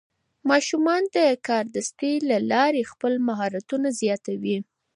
ماشومان د کاردستي له لارې خپل مهارتونه زیاتوي.